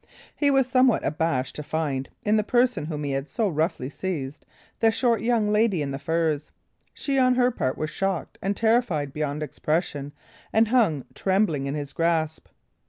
He was somewhat abashed to find, in the person whom he had so roughly seized, the short young lady in the furs. She, on her part, was shocked and terrified beyond expression, and hung trembling in his grasp.